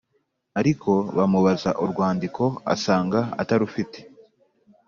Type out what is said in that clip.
ariko bamubaza urwandiko asanga atarufite